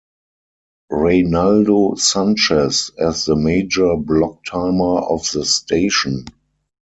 Reynaldo Sanchez as the major blocktimer of the station.